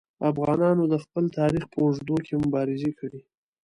افغانانو د خپل تاریخ په اوږدو کې مبارزې کړي.